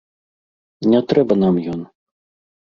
Не трэба нам ён.